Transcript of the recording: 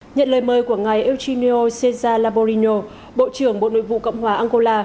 nhận lời mời của ngài eugenio césar laborino bộ trưởng bộ nội vụ cộng hòa angola